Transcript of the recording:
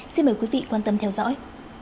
xin mời quý vị quan tâm theo dõi